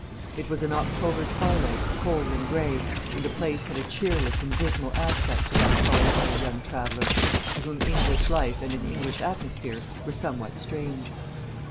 It was an October twilight, cold and gray, and the place had a cheerless and dismal aspect to that solitary young traveller, to whom English life and an English atmosphere were somewhat strange.